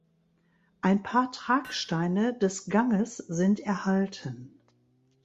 Ein paar Tragsteine des Ganges sind erhalten.